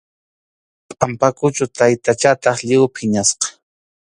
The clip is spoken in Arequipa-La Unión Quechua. Pampakʼuchu taytachataq lliw phiñasqa.